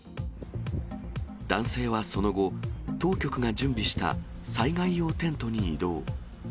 男性はその後、当局が準備した災害用テントに移動。